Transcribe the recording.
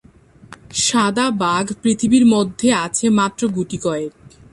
সাদা বাঘ পৃথিবীর মধ্যে আছে মাত্র গুটি কয়েক।